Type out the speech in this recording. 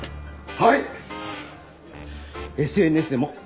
はい！